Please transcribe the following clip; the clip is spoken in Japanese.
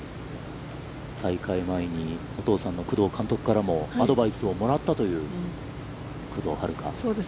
大会前にお父さんの工藤監督からもアドバイスをもらったという工藤遥加。